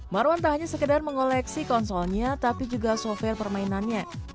marwan tak hanya sekedar mengoleksi konsolnya tapi juga software permainannya